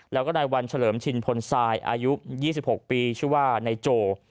แล้วก็นายวันเฉลิมชินพลทรายอายุ๒๖ปีชื่อว่านายโจ